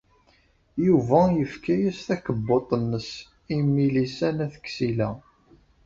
Yuba yefka-as takebbuḍt-nnes i Milisa n At Ksila.